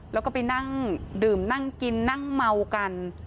แล้วก็ไปนั่งดื่มนั่งกินนั่งเมากัน